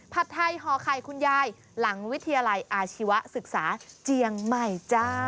ผัดไทยห่อไข่คุณยายหลังวิทยาลัยอาชีวศึกษาเจียงใหม่จ้า